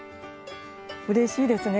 うれしいですね。